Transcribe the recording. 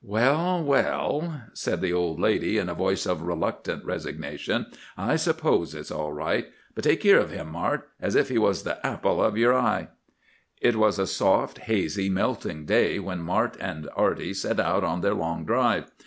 "'Well, well,' said the old lady in a voice of reluctant resignation; 'I suppose it's all right; but take keer of him, Mart, as if he was the apple of your eye!' "It was a soft, hazy, melting day when Mart and Arty set out on their long drive.